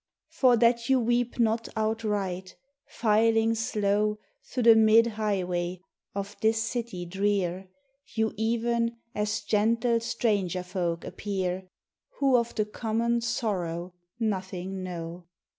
For that you weep not outright, filing slow Thro' the mid highway of this city drear, You even as gentle stranger folk appear, Who of the common sorrow nothing know!